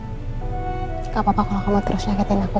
gak apa apa kalau kamu terus nyakitin aku